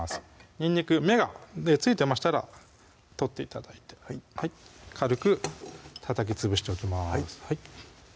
にんにく芽が付いてましたら取って頂いて軽くたたきつぶしておきます